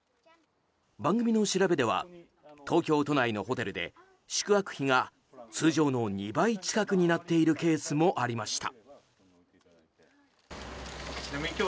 番組の調べでは東京都内のホテルで宿泊費が通常の２倍近くになっているケースもありました。